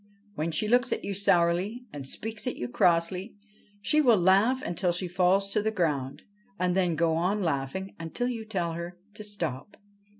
When she looks at you sourly or speaks to you crossly, she will laugh until she falls to the ground, and then go on laughing until you tell her to stop.'